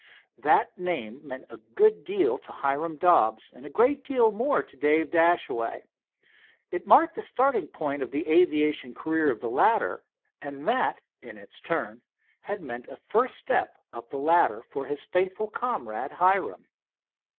That name meant a good deal to Hiram Dobbs, and a great deal more to Dave Dashaway. It marked the starting point in the aviation career of the latter, and that in its turn had meant a first step up the ladder for his faithful comrade, Hiram.